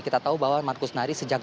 kita tahu bahwa markus nari sejak